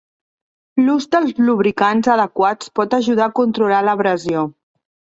L'ús de lubricants adequats pot ajudar a controlar l'abrasió.